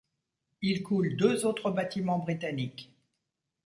Il coule deux autres bâtiments britanniques.